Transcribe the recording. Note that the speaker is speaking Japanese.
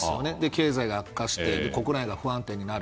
経済が悪化して国内が不安定になる。